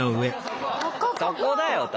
そこだよと。